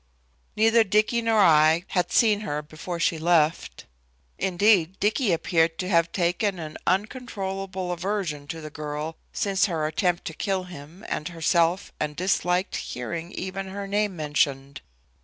Neither Dicky nor I had seen her before she left. Indeed, Dicky appeared to have taken an uncontrollable aversion to the girl since her attempt to kill him and herself and disliked hearing even her name mentioned.